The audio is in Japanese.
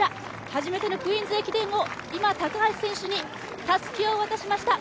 初めてのクイーンズ駅伝を今、高橋選手にたすきを渡しました。